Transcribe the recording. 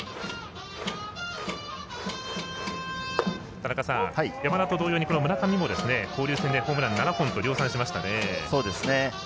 田中さん、山田と同様に村上も交流戦でホームラン７本と量産しましたね。